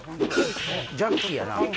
ジャッキーやな。